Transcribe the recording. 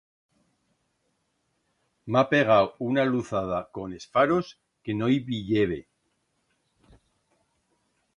M'ha pegau una luzada con es faros, que no i viyebe.